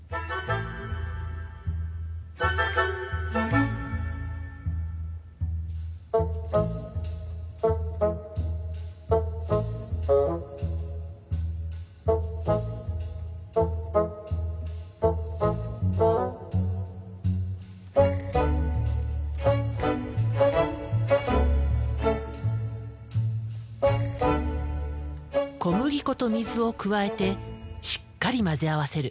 小麦粉と水を加えてしっかり混ぜ合わせる。